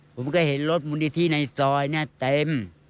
ผมก็เห็นรถมูลนิธิในซอยเนี่ยเต็ม